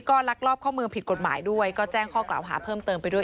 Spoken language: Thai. ก็ลักลอบเข้าเมืองผิดกฎหมายด้วยก็แจ้งข้อกล่าวหาเพิ่มเติมไปด้วย